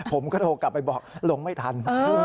ผมก็โทรกลงทะเบียนไปบอกลงไม่ทัน